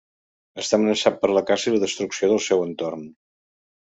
Està amenaçat per la caça i la destrucció del seu entorn.